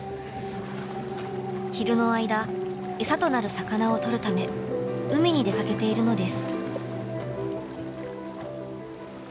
昼の間エサとなる魚を捕るため海に出かけているのです。